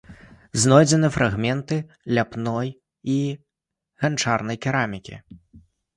Знойдзены фрагменты ляпной і ганчарнай керамікі.